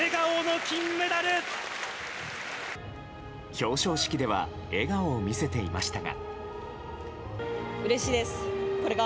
表彰式では笑顔を見せていましたが。